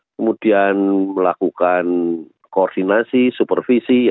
kemudian melakukan koordinasi supervisi